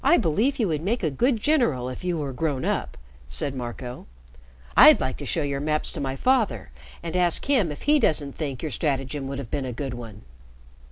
"I believe you would make a good general if you were grown up," said Marco. "I'd like to show your maps to my father and ask him if he doesn't think your stratagem would have been a good one."